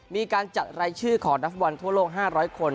มีการจัดรายชื่อของนักฟุตบอลทั่วโลก๕๐๐คน